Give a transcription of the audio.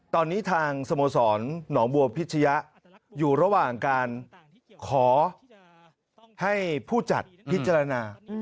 ตอนนี้ทางสโมสรหนองบัวพิชยะอยู่ระหว่างการขอให้ผู้จัดพิจารณา